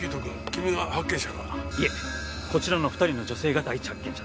いえこちらの２人の女性が第一発見者です。